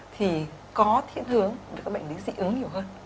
thì có thiên hướng để các bệnh lý dị ứng nhiều hơn